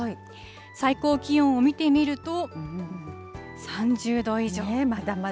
最高気温を見てみると、３０度以上。